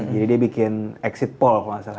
jadi dia bikin exit poll kalo ga salah